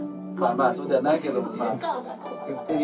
まあそうじゃないけどもまあ。